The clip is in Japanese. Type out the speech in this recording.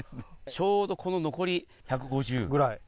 ちょうど残り１５０ぐらい。